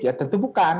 ya tentu bukan